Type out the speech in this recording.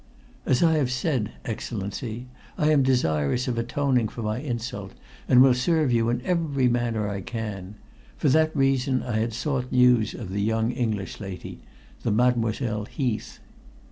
"As I have already said, Excellency, I am desirous of atoning for my insult, and will serve you in every manner I can. For that reason I had sought news of the young English lady the Mademoiselle Heath."